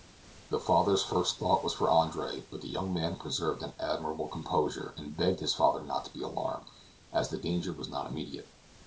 The father's first thought was for Andre, but the young man preserved an admirable composure, and begged his father not to be alarmed, as the danger was not immediate.